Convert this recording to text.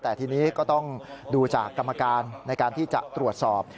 แต่ทีนี้ก็ต้องดูจากกรรมการในการที่จะตรวจสอบ